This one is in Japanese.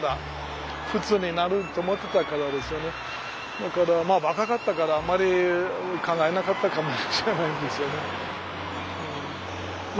だからまあ若かったからあまり考えなかったかもしれないんですよね。